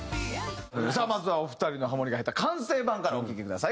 さあまずはお二人のハモリが入った完成版からお聴きください。